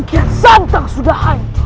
sekarang tiap patung ini sudah santur